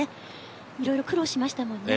いろいろ苦労しましたものね。